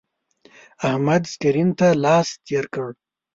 احمد سکرین ته لاس تیر کړ.